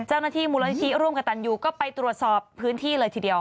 เจ้าหน้าที่มูลนิธิร่วมกับตันยูก็ไปตรวจสอบพื้นที่เลยทีเดียว